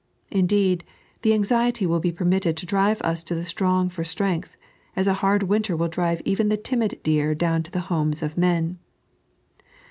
Indeed, the anxiety will be permitted to drive us to the strong for strength, as a hard winter will drive even the timid deer down to the homes of men.